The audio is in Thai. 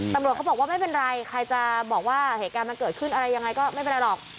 ตำรวจเขาบอกว่าไม่เป็นไรใครจะบอกว่าเหตุการณ์มันเกิดขึ้นอะไรยังไงก็ไม่เป็นไรหรอก